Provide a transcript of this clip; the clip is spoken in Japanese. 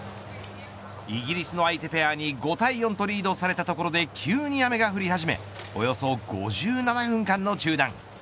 イギリスの相手ペアに５対４とリードされたところで急に雨が降り始めおよそ５７分間の中断。